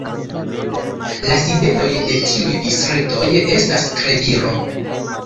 La sidejoj de tiuj distriktoj estas Treviro.